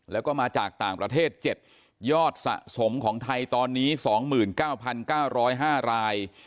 แล้วก็มาจากต่างประเทศ๗ยอดสะสมของไทยตอนนี้๒๙๙๐๕ราย